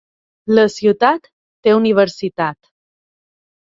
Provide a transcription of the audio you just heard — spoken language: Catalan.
La ciutat té universitat.